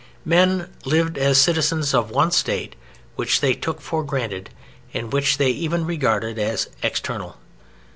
Men lived as citizens of one State which they took for granted and which they even regarded as eternal.